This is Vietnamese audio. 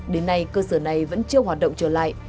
đến nay cơ sở này vẫn chưa hoạt động trở lại